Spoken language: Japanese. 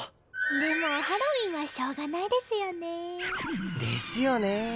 でもハロウィーンはしょうがないですよねえ。ですよねえ。